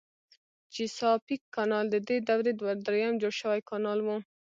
چیساپیک کانال ددې دورې دریم جوړ شوی کانال و.